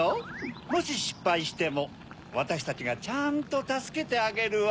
もししっぱいしてもわたしたちがちゃんとたすけてあげるわ。